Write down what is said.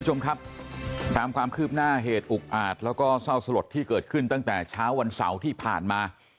คุณผู้ชมครับตามความคืบหน้าเหตุอุกอาจแล้วก็เศร้าสลดที่เกิดขึ้นตั้งแต่เช้าวันเสาร์ที่ผ่านมา